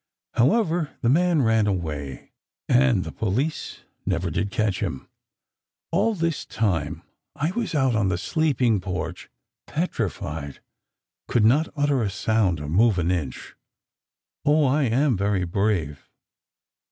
However, the man ran away, and the police never did catch him. All this time I was out on the sleeping porch, petrified—could not utter a sound or move an inch. Oh, I am very brave.